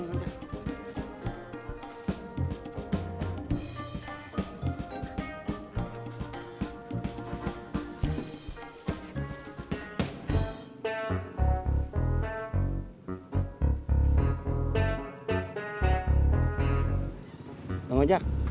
tiga ini bang ojak